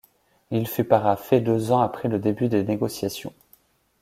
Il fut parafé deux ans après le début des négociations.